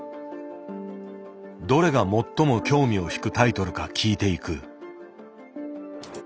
どれが最も興味を引くタイトルか聞いていく。